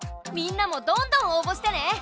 みんなもどんどん応ぼしてね。